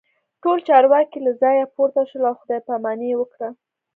ټول چارواکي له ځایه پورته شول او خداي پاماني یې وکړه